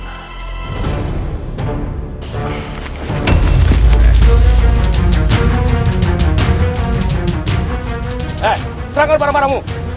hei serangga barang barangmu